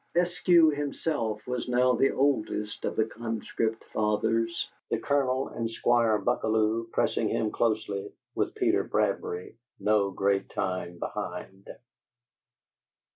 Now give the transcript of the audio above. Eskew himself was now the oldest of the conscript fathers, the Colonel and Squire Buckalew pressing him closely, with Peter Bradbury no great time behind.